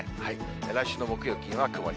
来週の木曜日には曇り。